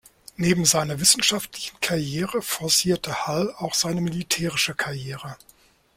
Neben seiner wissenschaftlichen Karriere forcierte Hull auch seine militärische Karriere.